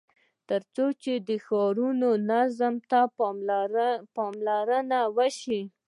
تر څو د ښارونو نظم ته پاملرنه وسي.